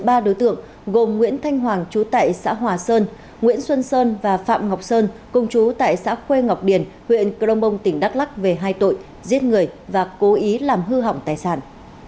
ba đối tượng gồm nguyễn thanh hoàng chú tại xã hòa sơn nguyễn xuân sơn và phạm ngọc sơn công chú tại xã khuê ngọc điền huyện crong bông tỉnh đắk lắc về hai tội giết người và cố ý làm hư hỏng tài sản